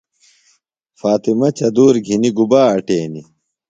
فاطمہ چدُور گِھنیۡ گُبا اٹینیۡ؟